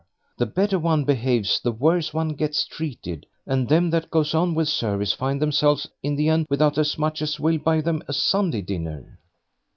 The better one behaves the worse one gets treated, and them that goes on with service find themselves in the end without as much as will buy them a Sunday dinner."